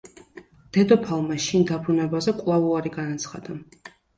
დედოფალმა შინ დაბრუნებაზე კვლავ უარი განაცხადა.